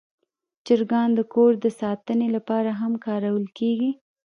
چرګان د کور د ساتنې لپاره هم کارول کېږي.